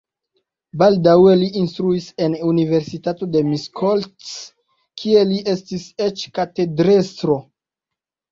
Baldaŭe li instruis en universitato de Miskolc, kie li estis eĉ katedrestro.